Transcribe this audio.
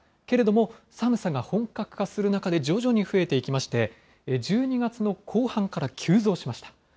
けれども、寒さが本格化する中で徐々に増えていきまして、１２月の後半から急増しました。